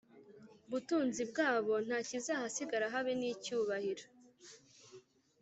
butunzi bwabo nta kizahasigara habe n icyubahiro